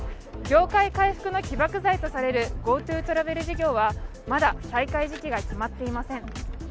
業界回復の起爆剤とされるＧｏＴｏトラベル事業はまだ再開時期が決まっていません。